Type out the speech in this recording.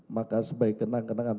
maka sebaik kenang kenangan